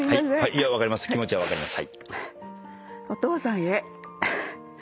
いや気持ちは分かります。